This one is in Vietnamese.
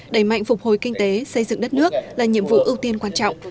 đẩy mạnh phục hồi kinh tế xây dựng đất nước là nhiệm vụ ưu tiên quan trọng